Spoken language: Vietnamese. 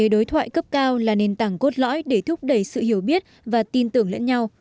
đối thoại cấp cao là nền tảng cốt lõi để thúc đẩy sự hiểu biết và tin tưởng lẫn nhau